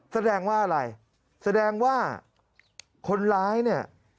แสดงว่าอะไรแสดงว่าคนร้ายเนี่ย